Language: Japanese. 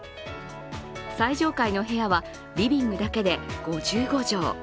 最上階の部屋はリビングだけで５５畳。